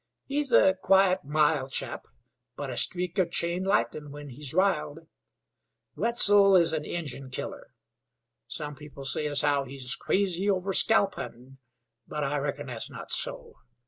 He's a quiet, mild chap; but a streak of chain lightnin' when he's riled. Wetzel is an Injun killer. Some people say as how he's crazy over scalp huntin'; but I reckon that's not so.